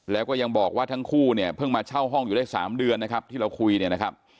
แล้วก็ยังบอกว่าทั้งคู่เนี่ยเพิ่งมาเช่าห้องอยู่ได้๓เดือนนะครับที่เราคุยเนี่ยนะครับ